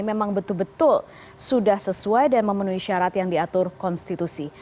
memang betul betul sudah sesuai dan memenuhi syarat yang diatur konstitusi